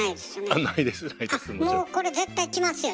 あっもうこれ絶対きますよ